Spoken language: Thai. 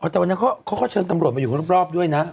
แต่วันนั้นเขาก็เชิญตำรวจมาอยู่รอบด้วยนะ